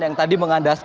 yang tadi mengandaskan